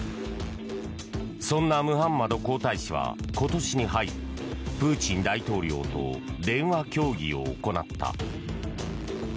そんなムハンマド皇太子は今年に入りプーチン大統領と電話協議を行った。